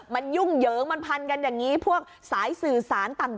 มันยุ่งเหยิงมันพันกันอย่างนี้พวกสายสื่อสารต่าง